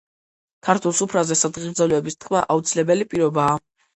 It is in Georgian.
ქართულ სუფრაზე სადღეგრძელოების თქმა აუცილებელი პირობაა.